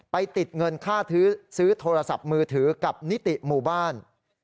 ไปติดเงินค่าซื้อโทรศัพท์มือถือกับนิติหมู่บ้าน